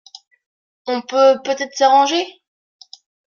On peut peut-être s’arranger...